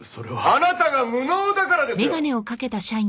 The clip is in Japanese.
あなたが無能だからですよ！